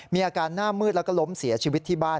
มีอาการหน้ามืดแล้วก็ล้มเสียชีวิตที่บ้าน